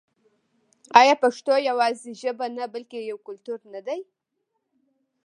آیا پښتو یوازې ژبه نه بلکې یو کلتور نه دی؟